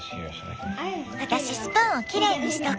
私スプーンをきれいにしとく。